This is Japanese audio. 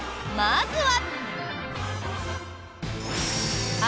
まずは。